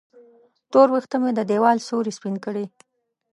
تور وېښته مې د دیوال سیورې سپین کړي